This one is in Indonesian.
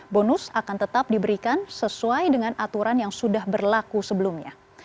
bonus akan tetap diberikan sesuai dengan aturan yang sudah berlaku sebelumnya